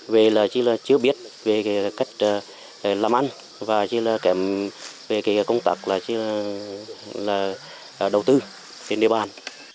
về là chỉ là chưa biết về cách làm ăn và như là kém về cái công tác là đầu tư trên địa bàn